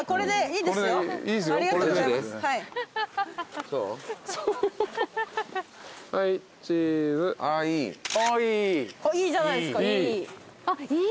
いいじゃないですかいい。